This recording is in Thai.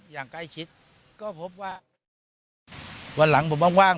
อย่างใกล้ชิดก็พบว่าวันหลังผมว่าง